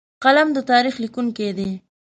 قلم د تاریخ لیکونکی دی